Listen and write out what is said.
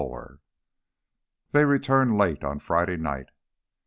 XXIV They returned late on Friday night.